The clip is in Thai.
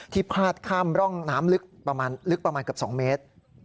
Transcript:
ที่พาดข้ามร่องน้ำลึกประมาณกับ๒เมตร